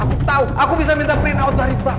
aku tahu aku bisa minta print out dari pak